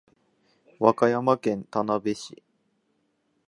和歌山県田辺市